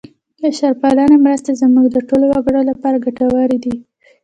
بشرپالې مرستې زموږ د ټولو وګړو لپاره ګټورې وې.